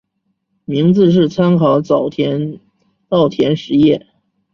名字是参考早稻田实业。